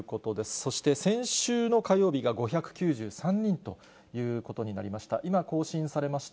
そして先週の火曜日が５９３人ということになりました。